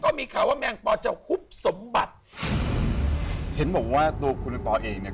ก็มีข่าวว่าแมงปอจะฮุบสมบัติเห็นบอกว่าตัวคุณไอปอลเองเนี่ย